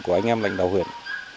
của anh em lãnh đạo huyện